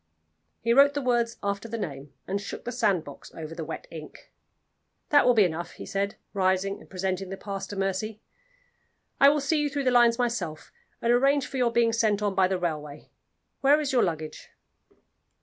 He wrote the words after the name, and shook the sandbox over the wet ink. "That will be enough," he said, rising and presenting the pass to Mercy; "I will see you through the lines myself, and arrange for your being sent on by the railway. Where is your luggage?"